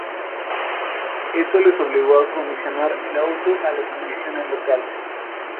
Esto les obligó a acondicionar el auto a las condiciones locales.